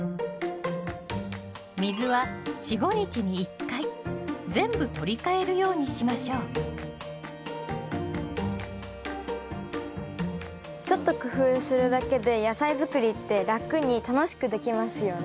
水は４５日に１回全部取り替えるようにしましょうちょっと工夫するだけで野菜づくりって楽に楽しくできますよね。